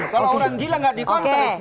kalau orang gila gak di konten